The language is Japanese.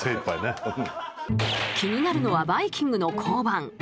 気になるのは「バイキング」の降板。